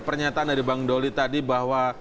pernyataan dari bang doli tadi bahwa